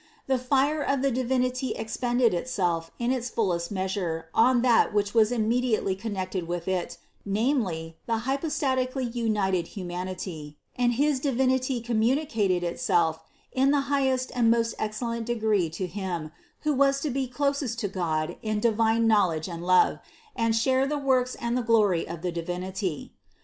The fire of the Divinity ex pended itself in its fullest measure on that which was most immediately connected with It, namely, the hypo statically united humanity ; and his Divinity communicated Itself in the highest and most excellent degree to Him, who was to be closest to God in divine knowledge and love, and share the works and the glory of the Deity.